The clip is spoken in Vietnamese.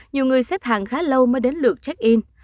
nhiều người xếp hàng khá lâu mới đến lượt check in